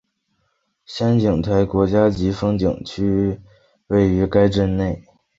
仙景台国家级风景名胜区位于该镇内。